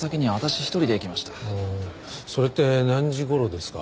ああそれって何時頃ですか？